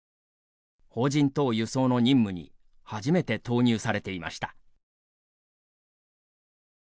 邦人等輸送の任務に初めて投入されていました。